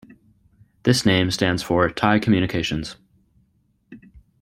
This name stands for "Thai Communications".